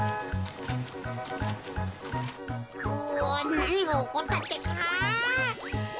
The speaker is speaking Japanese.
うわなにがおこったってか。